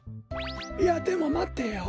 いやでもまてよ。